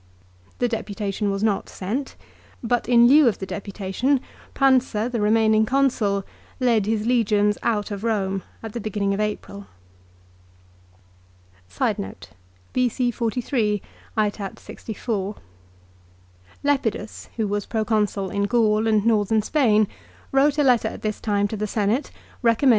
The deputation was not sent ; but in lieu of the deputation Pausa, the remaining Consul, led his legions out of Eome at the beginning of April. Lepidus, who was Proconsul in Gaul and Northern Spain, D n At wrote a letter at this time to the Senate recommend D.